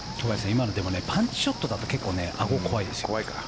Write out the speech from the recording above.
今のパンチショットだと結構、アゴが怖いですよ。